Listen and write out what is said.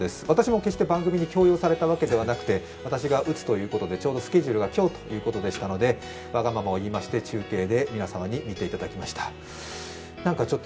私も決して番組に強要されたわけではなくて、私が打つということで、ちょうどスケジュールが今日ということでしたのでわがままを言いまして、中継で皆様に見ていただきました。